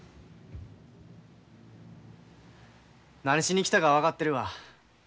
何しに来たかは分かってるわ。